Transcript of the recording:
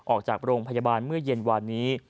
ออกจากโรงพยาบาลเมื่อเย็นวานนี้